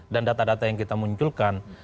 dan data data yang kita munculkan